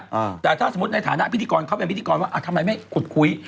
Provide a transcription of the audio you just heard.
อ่าแต่ถ้าสมมุติในฐานะพิธีกรเขาเป็นพิธีกรว่าอ่ะทำไมไม่ขุดคุย